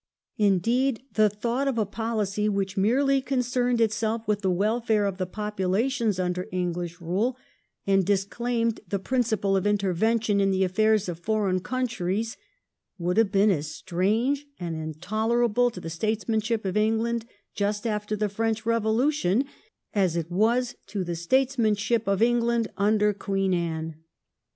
Indeed, the thought of a poUcy which merely concerned itself with the welfare of the populations under English rule, and disclaimed the principle of intervention in the affairs of foreign countries, would have been as strange and intolerable to the statesmanship of England just after the French Ee volution as it was to the statesmanship of England under Queen Anne.